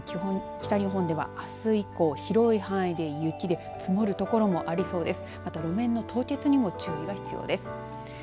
特に北日本ではあす以降広い範囲で雪で積もる所もありそうです。